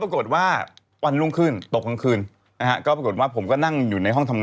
เค้าจะอยู่กับคุณไม่นาน